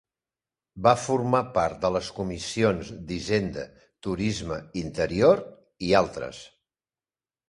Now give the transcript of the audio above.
Va formar part de les comissions d'hisenda, turisme, interior i altres.